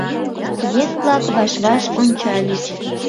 Еҥ-влак ваш-ваш ончальыч.